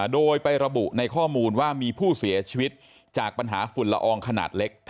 โดยไประบุในข้อมูลว่ามีผู้เสียชีวิตจากปัญหาฝุ่นละอองขนาดเล็ก